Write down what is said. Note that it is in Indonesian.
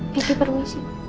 kiki permisi bu